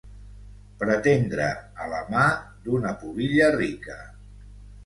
Pretendre a la mà d'una pubilla rica.